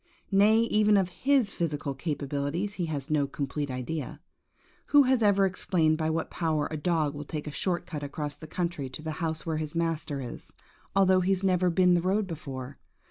Nay, even of his physica1 capabilities he has no complete idea. Who has ever explained by what power a dog will take a short cut across the country to the house where his master is, although he has never been the road before?